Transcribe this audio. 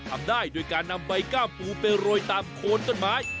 ทำได้โดยการนำใบก้ามปูไปโรยตามโคนต้นไม้